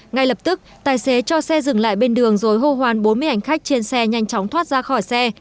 ngay lập tức tài xế cho xe dừng lại bên đường rồi hô hoàn bốn mươi ảnh khách trên xe nhanh chóng thoát ra khỏi xe